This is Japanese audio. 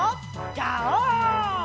ガオー！